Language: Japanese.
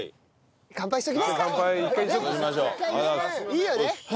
いいよね？